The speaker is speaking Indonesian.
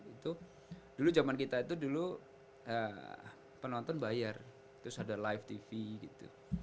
itu dulu zaman kita itu dulu penonton bayar terus ada live tv gitu